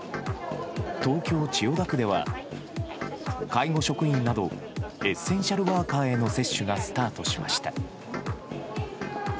東京・千代田区では、介護職員などエッセンシャルワーカーへの接種がスタートしました。